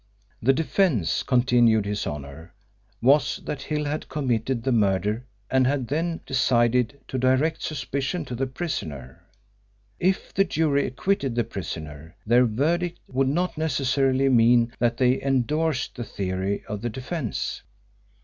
The defence, continued His Honour, was that Hill had committed the murder and had then decided to direct suspicion to the prisoner. If the jury acquitted the prisoner, their verdict would not necessarily mean that they endorsed the theory of the defence.